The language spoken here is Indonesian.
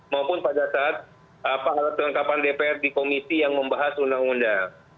maupun pada saat kelengkapan dpr di komisi yang membahas undang undang